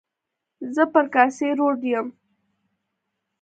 زه پر کاسي روډ یم.